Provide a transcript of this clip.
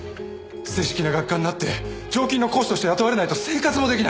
正式な学科になって常勤の講師として雇われないと生活も出来ない。